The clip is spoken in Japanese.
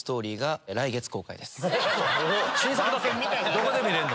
どこで見れんの？